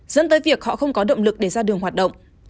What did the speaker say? dẫn tới việc họ không có động lực để ra đường hoạt động